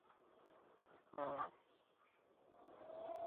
দ্বিতীয় কারণ-বিপদটা এখন শ্রেণীর যা বলার মতো মনের জোর তার নেই।